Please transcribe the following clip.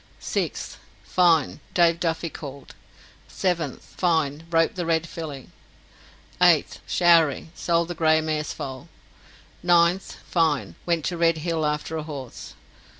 6th. Fine. Dave Duffy called. 7th. Fine. Roped the red filly. 8th. Showery. Sold the gray mair's fole. 9th. Fine. Wint to the Red hill after a horse.